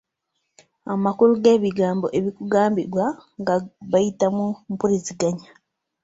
Amakulu g'ebigambo ebikugambibwa nga bayita mu mpulizigznya.